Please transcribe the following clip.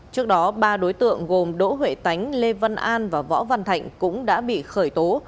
trước đó ba đối tượng gồm đỗ huệ tánh lê văn an và võ văn thạnh cũng đã bị khởi tố